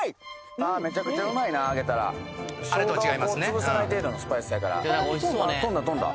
ああーめちゃくちゃうまいな揚げたら生姜を潰さない程度のスパイスやから辛み飛んだ？